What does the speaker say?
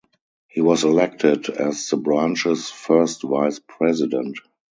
He was elected as the branches first Vice President.